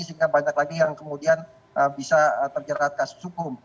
sehingga banyak lagi yang kemudian bisa terjerat kasus hukum